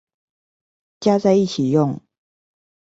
加在一起用